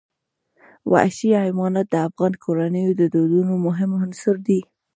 وحشي حیوانات د افغان کورنیو د دودونو مهم عنصر دی.